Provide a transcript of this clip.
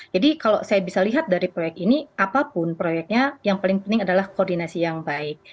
jadi kalau saya bisa lihat dari proyek ini apapun proyeknya yang paling penting adalah koordinasi yang baik